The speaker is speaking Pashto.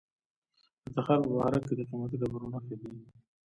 د تخار په بهارک کې د قیمتي ډبرو نښې دي.